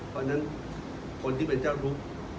เพราะฉะนั้นคนที่เป็นเจ้าทุกข์